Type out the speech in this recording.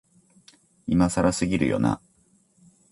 今更すぎるよな、